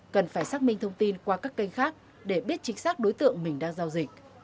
cần phải xác minh thông tin qua các kênh khác để biết chính xác đối tượng mình đang giao dịch